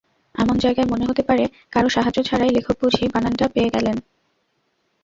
এমন জায়গায় মনে হতে পারে, কারও সাহায্য ছাড়াই লেখক বুঝি বানানটা পেয়ে গেলেন।